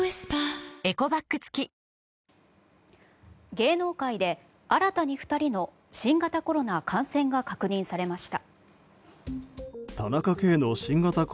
芸能界で新たに２人の新型コロナ感染が確認されました。